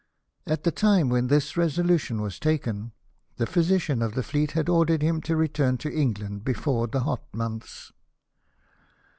At the time when this resolution was taken, the physician of the fleet had ordered him to return to England before the hot months.